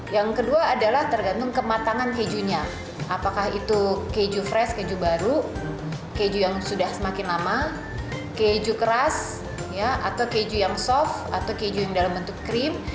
yang kedua adalah tergantung kematangan kejunya apakah itu keju fresh keju baru keju yang sudah semakin lama keju keras atau keju yang soft atau keju yang dalam bentuk krim